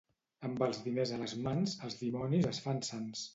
Amb els diners a les mans, els dimonis es fan sants.